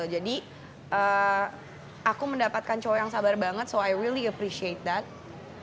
jadi aku mendapatkan cowok yang sabar banget jadi aku sangat menghargainya